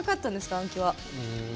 暗記は。